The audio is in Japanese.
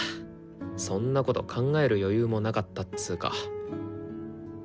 そんなこと考える余裕もなかったっつか。